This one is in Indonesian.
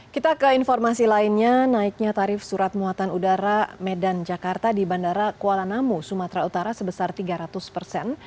kita ke informasi lainnya naiknya tarif surat muatan udara medan jakarta di bandara kuala namu sumatera utara sebesar tiga ratus persen